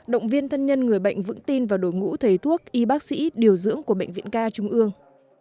động viên thân nhân người bệnh vững tin vào đội ngũ thầy thuốc y bác sĩ điều dưỡng của bệnh viện ca trung ương